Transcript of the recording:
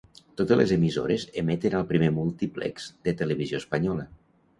Totes les emissores emeten al primer múltiplex de Televisió Espanyola.